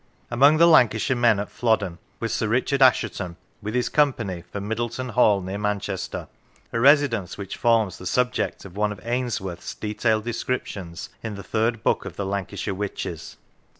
Among the Lancashire men at Flodden was Sir Richard Assheton, with his company, from Middleton Hall, near Manchester, a residence which forms the subject of one of Ainsworth's detailed descriptions in the third book of the " Lancashire Witches."